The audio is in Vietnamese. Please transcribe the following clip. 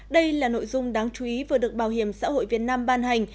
đây là nội dung đáng chú ý vừa được bảo hiểm xã hội việt nam ban hành